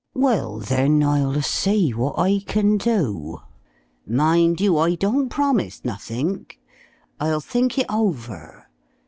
"Well, then, I'll see what I can do. Mind you, I don't promise nothink. I'll think it hover.